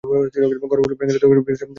ঘরগুলো ভরে উঠল আড়ষ্ট বীভৎস মৃতদেহে।